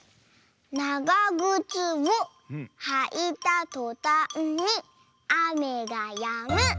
「ながぐつをはいたとたんにあめがやむ」。